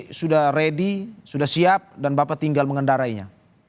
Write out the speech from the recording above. ini sudah ready sudah siap dan bapak tinggal mengendarainya